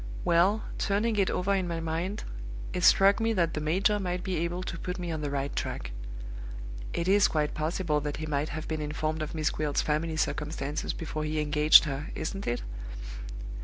Well, turning it over in my mind, it struck me that the major might be able to put me on the right tack. It is quite possible that he might have been informed of Miss Gwilt's family circumstances before he engaged her, isn't it?"